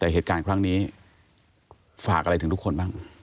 แต่เหตุการณ์ครั้งนี้ฝากอะไรถึงทุกคนบ้าง